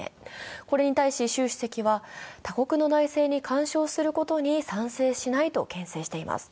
これに対し習主席は、他国の内政に干渉することに賛成しないとけん制しています。